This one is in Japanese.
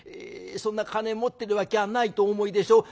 そんな金持ってるわきゃないとお思いでしょう。